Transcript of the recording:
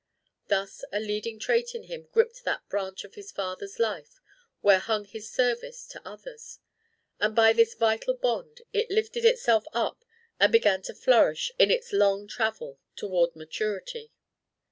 Thus a leading trait in him gripped that branch of his father's life where hung his service to others; and by this vital bond it lifted itself up and began to flourish in its long travel toward maturity.